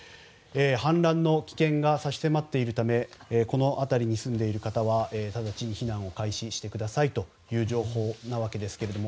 氾濫の危険が差し迫っているためこの辺りに住んでいる方は直ちに避難してくださいという情報なわけですけれども。